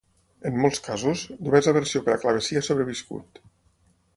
En molts casos, només la versió per a clavecí ha sobreviscut.